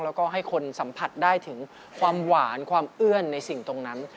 แล้วก็ให้คนสัมผัสได้ถึงความหวานความเอื้อนในสิ่งตรงนั้น